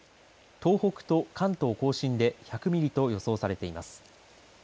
東北と関東甲信で１００ミリと予想されています。